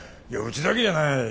いやうちだけじゃない。